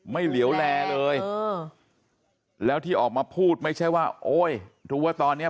เหลียวแลเลยแล้วที่ออกมาพูดไม่ใช่ว่าโอ๊ยรู้ว่าตอนนี้